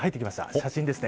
写真ですね。